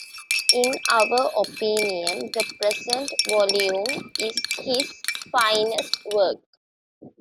In our opinion the present volume is his finest work.